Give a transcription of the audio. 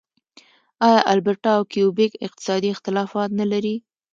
آیا البرټا او کیوبیک اقتصادي اختلافات نلري؟